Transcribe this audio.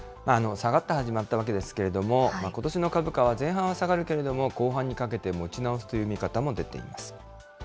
下がって始まったわけですけれども、ことしの株価は前半は下がるけれども、後半にかけて持ち直すという見方も出ています。